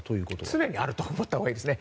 常にあると思ったほうがいいですね。